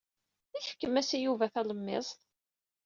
I tefkem-as i Yuba talemmiẓt?